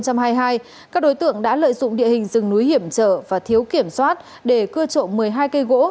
các đối tượng đã lợi dụng địa hình rừng núi hiểm trở và thiếu kiểm soát để cưa trộm một mươi hai cây gỗ